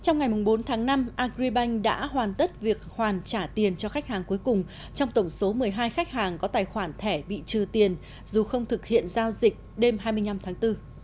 trong ngày bốn tháng năm agribank đã hoàn tất việc hoàn trả tiền cho khách hàng cuối cùng trong tổng số một mươi hai khách hàng có tài khoản thẻ bị trừ tiền dù không thực hiện giao dịch đêm hai mươi năm tháng bốn